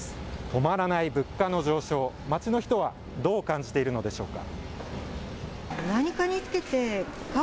止まらない物価の上昇、街の人はどう感じているのでしょうか。